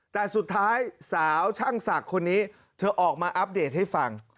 แต่สุดท้ายสาวช่างศักดิ์คนนี้เธอออกมาอัปเดตให้ฟัง